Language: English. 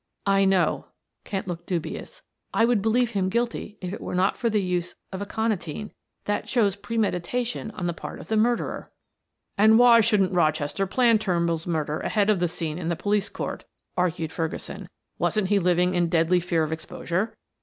"I know," Kent looked dubious. "I would believe him guilty if it were not for the use of aconitine that shows premeditation on the part of the murderer." "And why shouldn't Rochester plan Turnbull's murder ahead of the scene in the police court?" argued Ferguson. "Wasn't he living in deadly fear of exposure?